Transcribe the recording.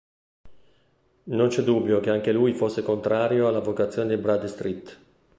Non c’è dubbio che anche lui fosse contrario alla vocazione di Bradstreet.